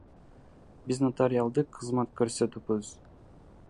Биз нотариалдык кызмат көрсөтөбүз.